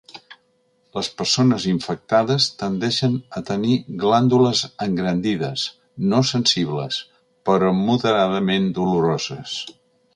Les persones infectades tendeixen a tenir glàndules engrandides, no sensibles, però moderadament doloroses.